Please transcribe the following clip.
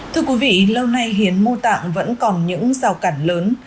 thưa quý vị lâu nay hiến mô tạng vẫn còn những rào cản lớn